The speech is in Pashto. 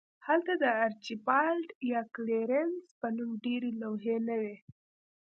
هلته د آرچیبالډ یا کلیرنس په نوم ډیرې لوحې نه وې